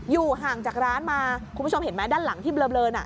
อยู่ห่างจากร้านมาคุณผู้ชมเห็นไหมด้านหลังที่เบลอน